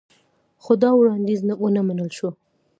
خو دا وړاندیز ونه منل شو